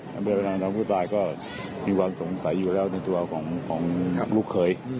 ท่านประธานน้องผู้ตายก็มีความสงสัยอยู่แล้วในตัวของลูกเคย